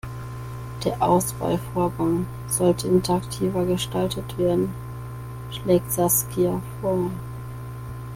Der Auswahlvorgang sollte interaktiver gestaltet werden, schlägt Saskia vor.